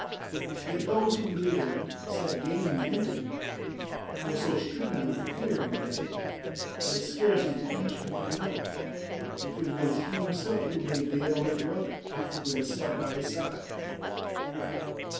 Yet those who lived sat gazing emptily, for so stricken with fear were they that scarce did each one know if it was he himself who lay dead or his brother who had sat by his side.